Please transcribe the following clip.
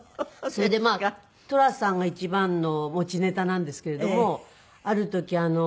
それでまあ寅さんが一番の持ちネタなんですけれどもある時